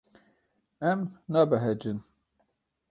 Em nabehecin.